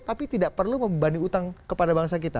tapi tidak perlu membebani utang kepada bangsa kita